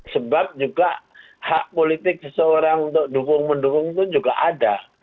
sebab juga hak politik seseorang untuk dukung mendukung itu juga ada